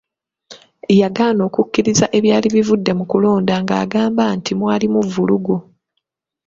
Yagaana okukkiriza ebyali bivudde mu kulonda ng’agamba nti mwalimu vvulugu.